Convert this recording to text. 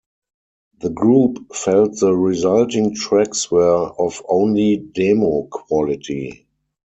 The group felt the resulting tracks were of only demo quality.